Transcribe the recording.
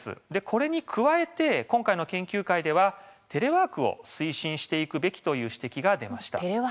これに加えて今回の研究会ではテレワークを推進していくべきという指摘が出ました。